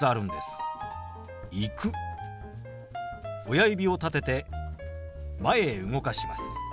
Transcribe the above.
親指を立てて前へ動かします。